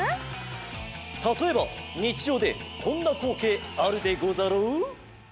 たとえばにちじょうでこんなこうけいあるでござろう？